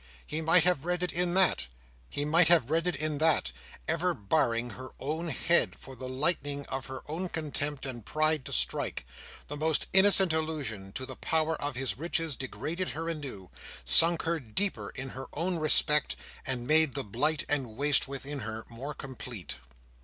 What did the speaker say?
He might have read in it that, ever baring her own head for the lightning of her own contempt and pride to strike, the most innocent allusion to the power of his riches degraded her anew, sunk her deeper in her own respect, and made the blight and waste within her more complete.